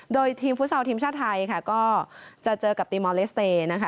โดยทีมฟุตซอลทีมชาติไทยค่ะก็จะเจอกับตีมอลเลสเตย์นะคะ